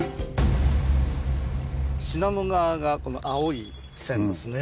信濃川がこの青い線ですね。